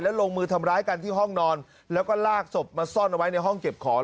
ลงมือทำร้ายกันที่ห้องนอนแล้วก็ลากศพมาซ่อนเอาไว้ในห้องเก็บของ